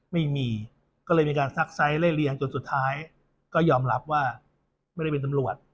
ไม่มีก็เลยมีการซักไซส์ไล่เลี้ยงจนสุดท้ายก็ยอมรับว่าไม่ได้เป็นตำรวจ